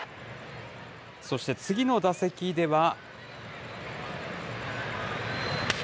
そして次の打席では。